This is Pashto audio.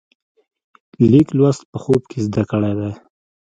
لیک لوست په خوب کې زده کړی دی.